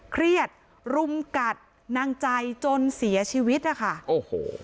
เครียดรุมกัดนางใจจนเสียชีวิตนะคะโอ้โห